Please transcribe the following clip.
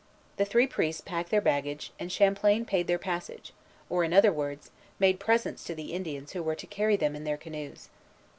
The three priests packed their baggage, and Champlain paid their passage, or, in other words, made presents to the Indians who were to carry them in their canoes.